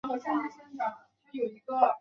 主要城镇为圣纳泽尔。